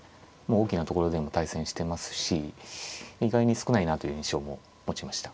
大きなところでも対戦してますし意外に少ないなという印象も持ちました。